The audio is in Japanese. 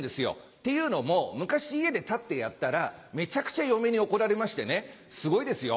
っていうのも昔家で立ってやったらめちゃくちゃ嫁に怒られましてねすごいですよ。